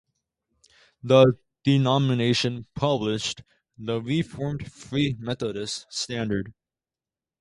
The denomination published "The Reformed Free Methodist Standard".